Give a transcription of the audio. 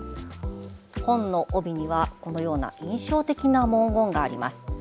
本の帯には、このような印象的な文言があります。